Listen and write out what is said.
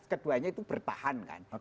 keduanya itu bertahan kan